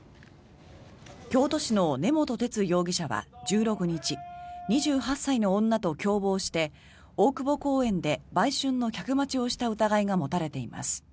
京都市の根本哲容疑者は１６日２８歳の女と共謀して大久保公園で売春の客待ちをした疑いが持たれています。